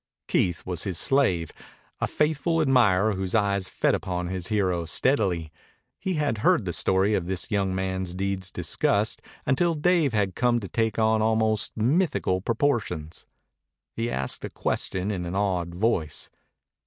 Keith was his slave, a faithful admirer whose eyes fed upon his hero steadily. He had heard the story of this young man's deeds discussed until Dave had come to take on almost mythical proportions. He asked a question in an awed voice.